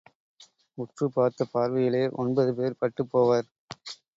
உற்றுப் பார்த்த பார்வையிலே ஒன்பது பேர் பட்டுப் போவார்.